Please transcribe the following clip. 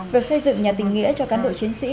việc xây dựng nhà tình nghĩa cho cán bộ chiến sĩ